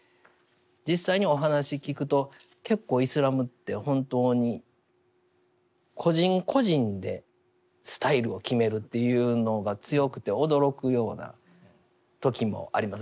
実際にお話聞くと結構イスラムって本当に個人個人でスタイルを決めるっていうのが強くて驚くような時もあります。